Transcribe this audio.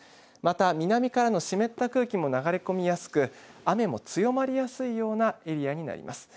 また南からの湿った空気も流れ込みやすく雨も強まりやすいようなエリアになります。